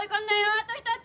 あと１つ！